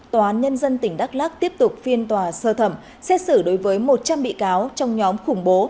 tòa án nhân dân tỉnh đắk lắc tiếp tục phiên tòa sơ thẩm xét xử đối với một trăm linh bị cáo trong nhóm khủng bố